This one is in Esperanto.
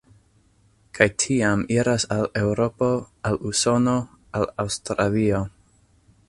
Kaj tiam iras al Eŭropo, al Usono, al Aŭstralio.